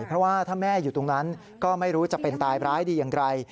เพราะว่าถ้าแม่อยู่ตรงนั้นก็ไม่รู้จะเป็นตายร้ายดีอย่างไร